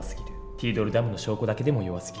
ティードルダムの証拠だけでも弱すぎる。